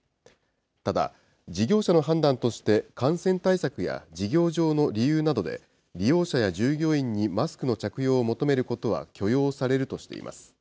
ただ、事業者の判断として感染対策や事業上の理由などで、利用者や従業員にマスクの着用を求めることは許容されるとしています。